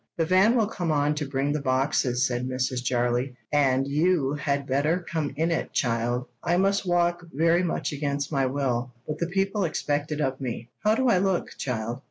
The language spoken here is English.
"The van will come on to bring the boxes," said Mrs. Jarley, "and you had better come in it, child. I must walk, very much against my will; but the people expect it of me. How do I look, child?"